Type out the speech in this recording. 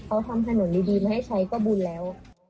เขาทำถนนดีมาให้ใช้ก็บุญแล้ว